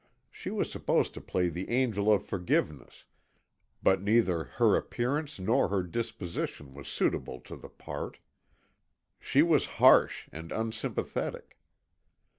She was supposed to play the angel of forgiveness, but neither her appearance nor her disposition was suitable to the part. She was harsh and unsympathetic.